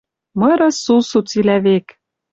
Мыры сусу цилӓ век